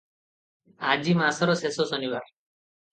ଆଜି ମାସର ଶେଷ ଶନିବାର ।